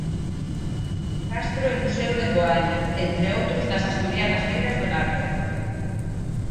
Castro e Museo de Coaña, entre outros nas asturianas beiras do Navia.